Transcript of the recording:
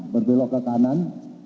berbelok ke kanan